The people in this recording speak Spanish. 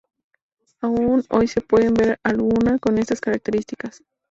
Aun hoy se pueden ver alguna con estas características.